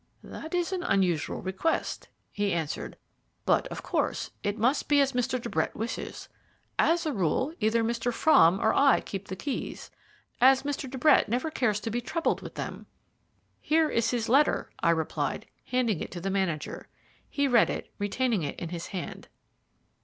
"That is an unusual request," he answered "but, of course, it must be as Mr. de Brett wishes. As a rule, either Mr. Frome or I keep the keys, as Mr. de Brett never cares to be troubled with them." "Here is his letter," I replied, handing it to the manager. He read it, retaining it in his hand.